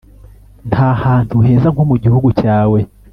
Nkahantu heza nko mugihugu cyawe